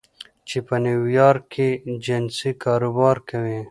چې په نیویارک کې جنسي کاروبار کوي